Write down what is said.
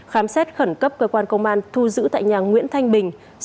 khám xét khẩn cấp cơ quan công an thu giữ tại nhà nguyễn thanh bình